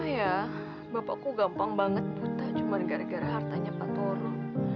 ya bapakku gampang banget buta cuma gara gara hartanya pak toro